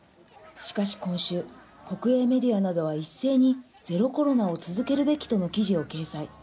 しかし今週、国営メディアなどは一斉に、ゼロコロナを続けるべきとの記事を掲載。